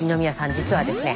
実はですね